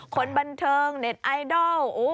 คนบันเทิงเน็ตไอดอล